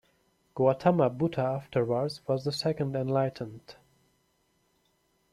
Gautama Buddha afterwards was the second enlightened.